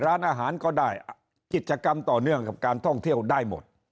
ร้านอาหารก็ได้กิจกรรมต่อเนื่องกับการท่องเที่ยวได้หมด